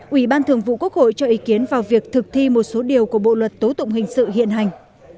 ủy ban thường vụ quốc hội cho ý kiến vào việc thực thi một số điều của bộ luật tố tụng hình sự hiện hành